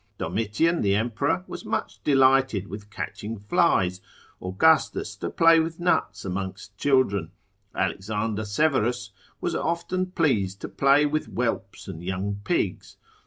Domitian, the emperor, was much delighted with catching flies; Augustus to play with nuts amongst children; Alexander Severus was often pleased to play with whelps and young pigs.